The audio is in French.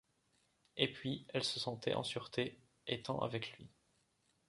Et puis elle se sentait en sûreté, étant avec lui.